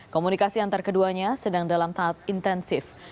komunikasi antar keduanya sedang dalam tahap intensif